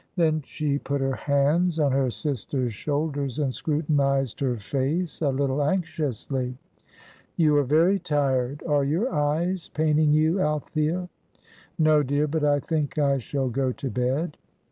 Then she put her hands on her sister's shoulders and scrutinised her face a little anxiously. "You are very tired. Are your eyes paining you, Althea?" "No, dear, but I think I shall go to bed."